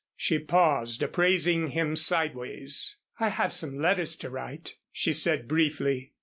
She paused, appraising him sideways. "I have some letters to write," she said, briefly.